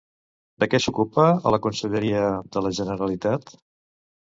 De què s'ocupa a la Conselleria de la Generalitat?